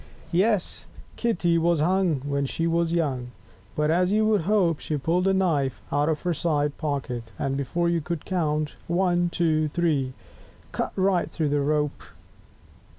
2 Yes, Kitty was hung When she was so young; But, as you would hope, She pulled a knife out of her side pocket, and before you could count ONE, TWO, THREE, cut right through the rope.